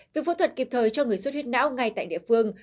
việc phẫu thuật kịp thời cho người xuất huyết não ngay tại địa phương